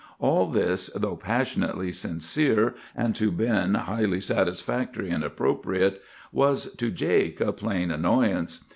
"All this, though passionately sincere, and to Ben highly satisfactory and appropriate, was to Jake a plain annoyance.